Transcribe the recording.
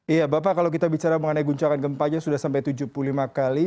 iya bapak kalau kita bicara mengenai guncangan gempanya sudah sampai tujuh puluh lima kali